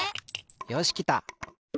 よしきた。